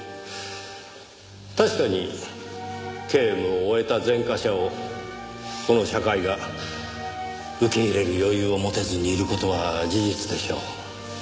確かに刑務を終えた前科者をこの社会が受け入れる余裕を持てずにいる事は事実でしょう。